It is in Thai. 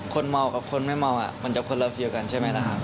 คนเมาค์กับคนไม่เมาค์มันจะคนละฟิวกันใช่ไหมครับ